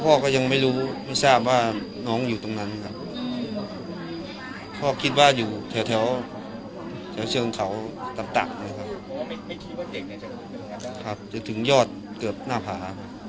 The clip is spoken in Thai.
พ่อก็ยังไม่รู้ไม่ทราบว่าน้องอยู่ตรงนั้นครับพ่อคิดว่าอยู่แถวเชิงเขาตับตักนะครับจะถึงยอดเกือบหน้าผา